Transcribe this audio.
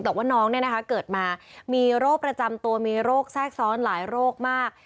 แต่ว่าน้องเกิดมามีโรคประจำตัวมีโรคแทรกซ้อนหลายโรคมาก